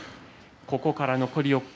ここから残り４日